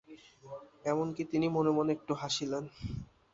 এমন-কি, তিনি মনে মনে একটু হাসিলেন।